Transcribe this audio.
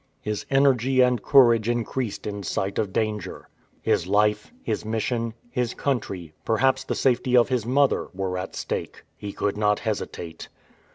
His energy and courage increased in sight of danger. His life, his mission, his country, perhaps the safety of his mother, were at stake. He could not hesitate.